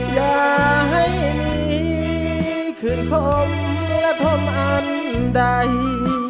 อย่าให้มีคืนคมและผมอันใด